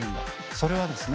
それはですね